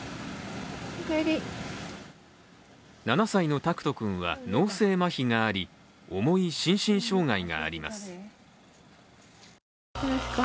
７歳の拓人君は脳性まひがあり、重い心身障害があります。